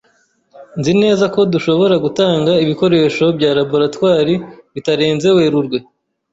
Nzi neza ko dushobora gutanga ibikoresho bya laboratoire bitarenze Werurwe.